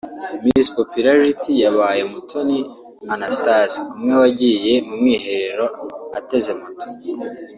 Miss Miss Popularity yabaye Mutoniwase Anastasie (umwe wagiye mu mwiherero ateze moto)